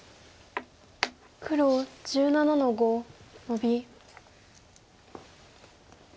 黒１７の五ノビ。